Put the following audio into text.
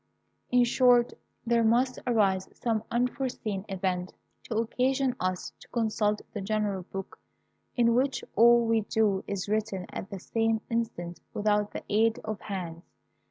In short, there must arise some unforeseen event to occasion us to consult the general book in which all we do is written at the same instant without the aid of hands.